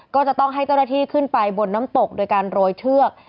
ก็จะต้องให้เจ้าหน้าที่ขึ้นไปบนน้ำตกโดยการโรยเชือก